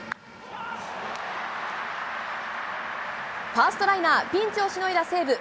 ファーストライナー、ピンチをしのいだ西武。